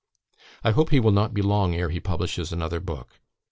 I hope he will not be long ere he publishes another book.